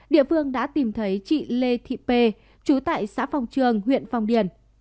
địa phương đã tìm thấy chị lê thị pê chú tại xã phong trường huyện phong điền